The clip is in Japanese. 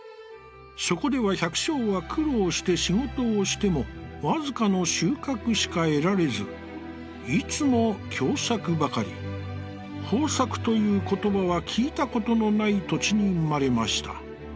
そこでは、百姓は苦労して仕事をしても、わずかの収穫しか得られず、いつも凶作ばかり、豊作という言葉は聞いたことのない土地に生まれました。